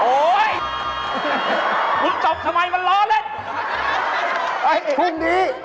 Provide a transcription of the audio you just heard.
โอ๊ยคุณจบทำไมมันล้อเล่นพรุ่งนี้